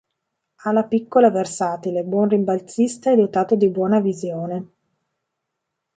Ala piccola versatile, buon rimbalzista e dotato di buona visione.